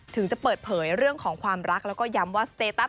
ถึงจะเปิดเผยเรื่องของความรักแล้วก็ย้ำว่าสเตตัส